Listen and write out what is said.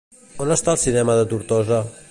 On està el cinema de Tortosa?